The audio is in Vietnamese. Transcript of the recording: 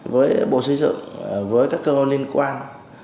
với bộ xây dựng với các cơ liên quan